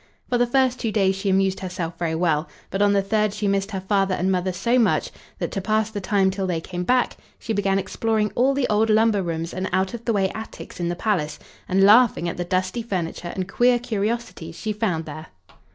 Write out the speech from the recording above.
For the first two days she amused herself very well, but on the third she missed her father and mother so much that, to pass the time till they came back, she began exploring all the old lumber rooms and out of the way attics in the palace, and laughing at the dusty furniture and queer curiosities she found there.